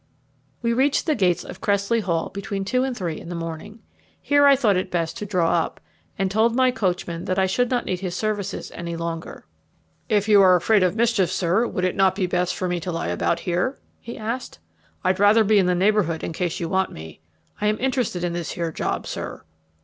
We reached the gates of Cressley Hall between two and three in the morning. Here I thought it best to draw up, and told my coachman that I should not need his services any longer. "If you are afraid of mischief, sir, would it not be best for me to lie about here?" he asked. "I'd rather be in the neighbourhood in case you want me. I am interested in this here job, sir."